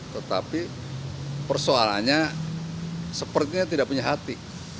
tetapi persoalannya sepertinya tidak punya hati